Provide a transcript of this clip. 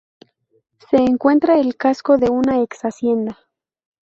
Se encuentra el casco de una exhacienda.